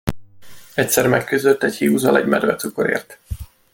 Egyszer megküzdött egy hiúzzal egy medvecukorért.